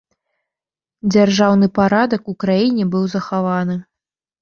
Дзяржаўны парадак у краіне быў захаваны.